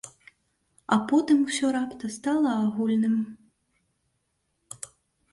А потым усё раптам стала агульным.